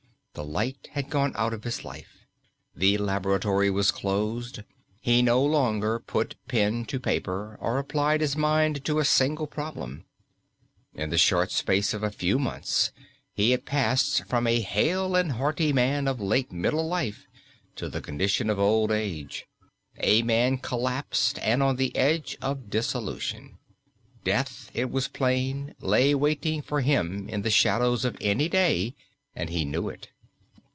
The light had gone out of his life; the laboratory was closed; he no longer put pen to paper or applied his mind to a single problem. In the short space of a few months he had passed from a hale and hearty man of late middle life to the condition of old age a man collapsed and on the edge of dissolution. Death, it was plain, lay waiting for him in the shadows of any day and he knew it.